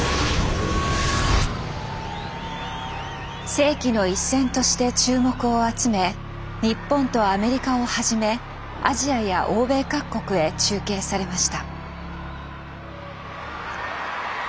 「世紀の一戦」として注目を集め日本とアメリカをはじめアジアや欧米各国へ中継されました。